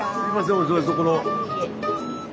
お忙しいところ。